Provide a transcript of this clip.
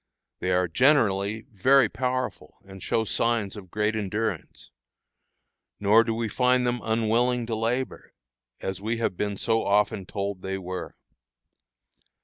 They are generally very powerful, and show signs of great endurance. Nor do we find them unwilling to labor, as we have been so often told they were.